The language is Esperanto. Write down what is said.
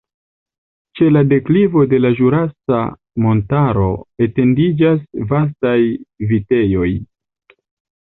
Ĉe la deklivo de la Ĵurasa Montaro etendiĝas vastaj vitejoj.